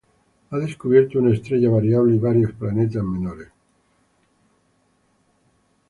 Ha descubierto una estrella variable y varios planetas menores.